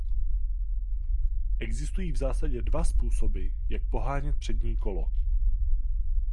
Existují v zásadě dva způsoby jak pohánět přední kolo.